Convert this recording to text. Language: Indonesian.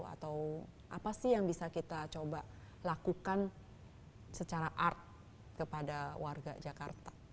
atau apa sih yang bisa kita coba lakukan secara art kepada warga jakarta